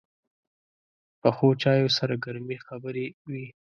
پخو چایو سره ګرمې خبرې وي